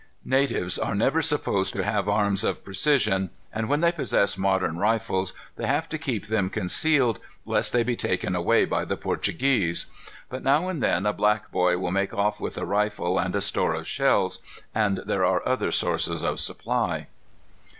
Natives are never supposed to have arms of precision, and when they possess modern rifles, they have to keep them concealed lest they be taken away by the Portuguese; but now and then a black boy will make off with a rifle and a store of shells, and there are other sources of supply.